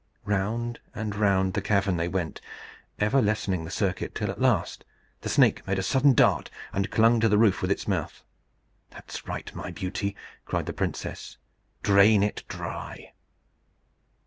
Round and round the cavern they went, ever lessening the circuit, till at last the snake made a sudden dart, and clung to the roof with its mouth. "That's right, my beauty!" cried the princess; "drain it dry."